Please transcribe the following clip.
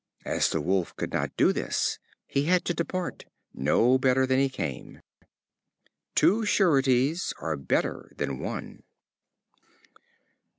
As the Wolf could not do this, he had to depart, no better than he came. Two sureties are better than one.